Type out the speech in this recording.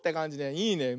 いいね。